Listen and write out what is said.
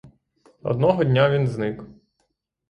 Одного дня він зник.